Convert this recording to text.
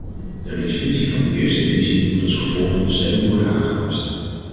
De resolutie van de eerste lezing moet als gevolg van de stemming worden aangepast.